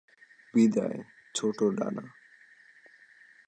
বিদায়, ছোট্ট ডানা।